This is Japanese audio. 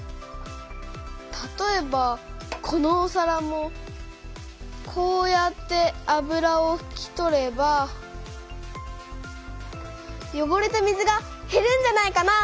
たとえばこのおさらもこうやって油をふき取ればよごれた水がへるんじゃないかな？